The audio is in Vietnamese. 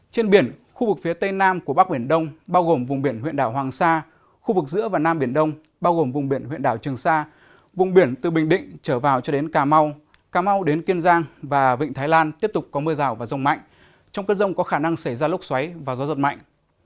trên biển khu vực phía tây nam của bắc biển đông bao gồm vùng biển huyện đảo hoàng sa khu vực giữa và nam biển đông bao gồm vùng biển huyện đảo trường sa vùng biển từ bình định trở vào cho đến cà mau cà mau đến kiên giang và vịnh thái lan tiếp tục có mưa rào và rông mạnh trong cơn rông có khả năng xảy ra lốc xoáy và gió giật mạnh